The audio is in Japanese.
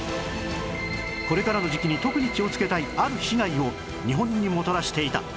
これからの時期に特に気をつけたいある被害を日本にもたらしていた